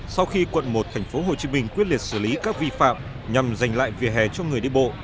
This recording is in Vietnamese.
sau khi quận một tp hcm quyết liệt xử lý các vi phạm nhằm giành lại vỉa hè cho người đi bộ